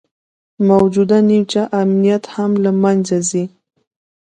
موجوده نیمچه امنیت هم له منځه ځي